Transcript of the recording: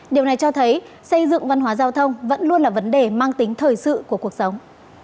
điều này cho thấy xây dựng văn hóa giao thông vẫn luôn là vấn đề mang tính thời sự của cuộc sống